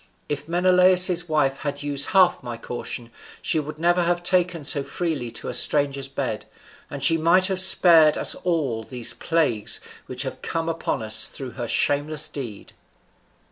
If Menelaus's wife had used half my caution, she would never have taken so freely to a stranger's bed; and she might have spared us all these plagues which have come upon us through her shameless deed."